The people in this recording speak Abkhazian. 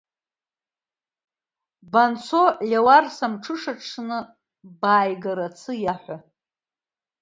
Банцо Ле уарса амҽышаҽны бааигарацы иаҳәа.